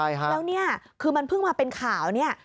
แล้วนี่คือมันเพิ่งมาเป็นข่าว